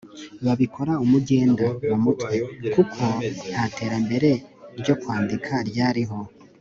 babikora umugenda (mu mutwe) kuko ntaterambere ryo kwandika ryariho